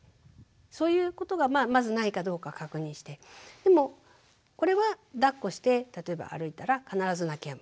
そういうことがまずないかどうか確認してでもこれはだっこして例えば歩いたら必ず泣きやむ。